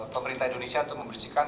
pemerintah indonesia untuk membersihkan